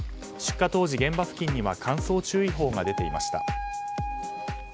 出火当時、現場付近には乾燥注意報が出ていました。